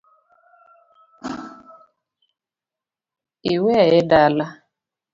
Iweye dala?